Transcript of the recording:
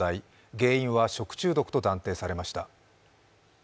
原因は食中毒と断定されました。